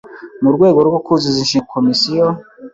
Mu rwego rwo kuzuza inshingano Komisiyo